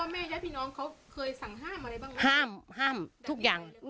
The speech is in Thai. พ่อแม่ยะพี่น้องเค้าเคยสั่งห้ามอะไรบ้างหรือ